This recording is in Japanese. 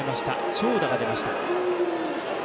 長打が出ました。